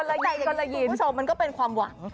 ใหญ่กรณีคุณผู้ชมมันก็เป็นความหวัง